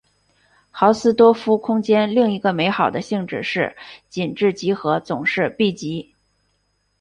豪斯多夫空间另一个美好的性质是紧致集合总是闭集。